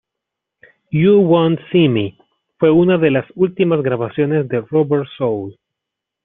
You Won't See Me fue una de las últimas grabaciones de Rubber Soul.